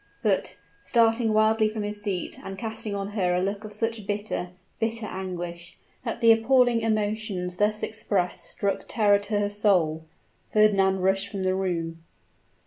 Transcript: But, starting wildly from his seat, and casting on her a look of such bitter, bitter anguish, that the appalling emotions thus expressed struck terror to her soul Fernand rushed from the room.